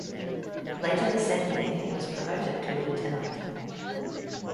Later the same year he was promoted to lieutenant.